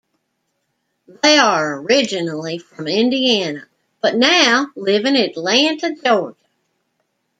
They are originally from Indiana, but now live in Atlanta, Georgia.